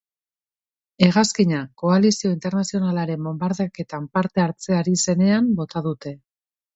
Hegazkina koalizio internazionalaren bonbardaketan parte hartzen ari zenean bota dute.